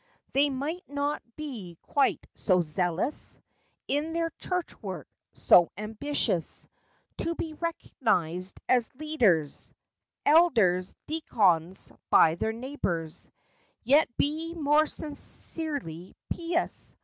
FACTS AND FANCIES. 33 They might not be quite so zealous In their church work—so ambitious To be recognized as leaders— Elders, deacons—by their neighbors; Yet be more sincerely pious.